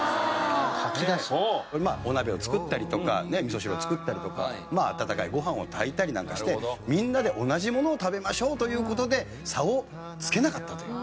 お鍋を作ったりとか味噌汁を作ったりとか温かいご飯を炊いたりなんかしてみんなで同じものを食べましょうという事で差をつけなかったという。